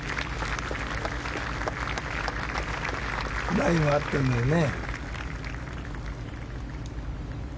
ラインは合ってるんだよね。